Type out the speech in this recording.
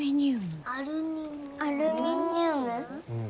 うん。